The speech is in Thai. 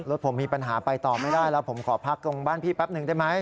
รถผมมีปัญหาไปต่อไม่ได้แล้วผมขอพักตรงบ้านพี่แป๊บหนึ่งได้ไหม